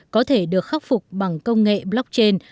có thể được khắc phục bằng công nghệ blockchain